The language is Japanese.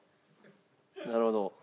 なるほど。